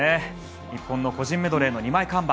日本の個人メドレーの２枚看板